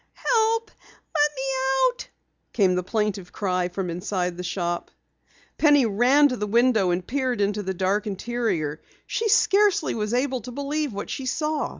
"Help! Let me out!" came the plaintive cry from inside the shop. Penny ran to the window and peered into the dark interior. She scarcely was able to believe what she saw.